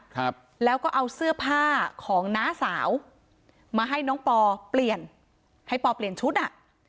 ครับแล้วก็เอาเสื้อผ้าของน้าสาวมาให้น้องปอเปลี่ยนให้ปอเปลี่ยนชุดอ่ะ